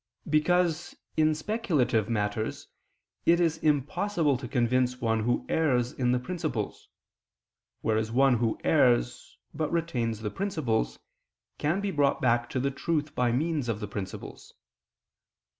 Because, in speculative matters, it is impossible to convince one who errs in the principles, whereas one who errs, but retains the principles, can be brought back to the truth by means of the principles.